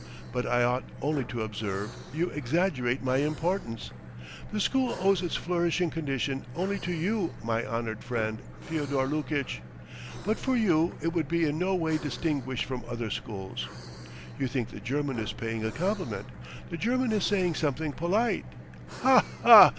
But I ought only to observe; you exaggerate my importance. The school owes its flourishing condition only to you, my honoured friend, Fyodor Lukitch. But for you it would be in no way distinguished from other schools! You think the German is paying a compliment, the German is saying something polite. Ha ha!